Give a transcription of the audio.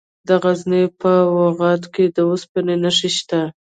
د غزني په واغظ کې د اوسپنې نښې شته.